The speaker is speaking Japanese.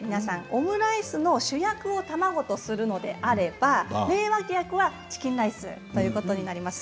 オムライスの主役を卵とするのであれば名脇役はチキンライスということになります。